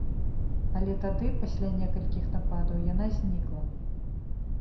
Але тады, пасля некалькіх нападаў, яна знікла.